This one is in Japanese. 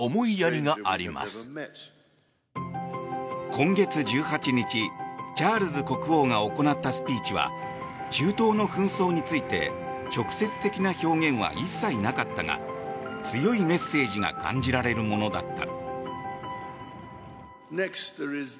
今月１８日、チャールズ国王が行ったスピーチは中東の紛争について直接的な表現は一切なかったが強いメッセージが感じられるものだった。